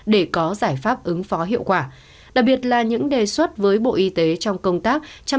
để có giải pháp ứng phó hiệu quả